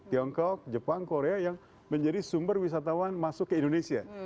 tiongkok jepang korea yang menjadi sumber wisatawan masuk ke indonesia